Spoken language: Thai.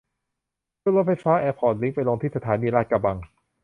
ขึ้นรถไฟฟ้าแอร์พอร์ตลิงก์ไปลงที่สถานีลาดกระบัง